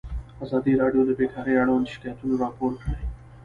ازادي راډیو د بیکاري اړوند شکایتونه راپور کړي.